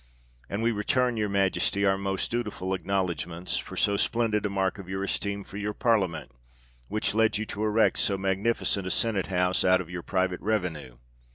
And we return your Majesty our most dutiful acknowledge ments, for so splendid a mark of your esteem for your Parliament, which led you to erect so magnifi cent a Senate House out of your private revenue.